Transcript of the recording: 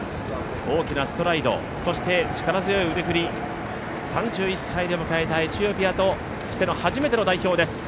大きなストライドそして、力強い腕振り３１歳で迎えた、エチオピアとしての初めての代表です。